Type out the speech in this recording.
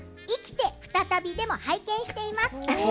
「生きて、ふたたび」でも拝見しています。